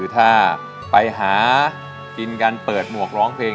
ถ้าไปหากินกันเปิดหมวกร้องเพลง